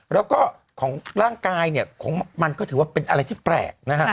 แล้วก็ของร่างกายเนี่ยของมันก็ถือว่าเป็นอะไรที่แปลกนะฮะ